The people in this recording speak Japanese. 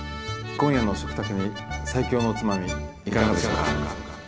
今夜の食卓に最強おつまみ、いかがでしょうか。